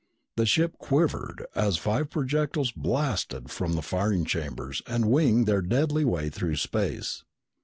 The ship quivered as five projectiles blasted from the firing chambers and winged their deadly way through space.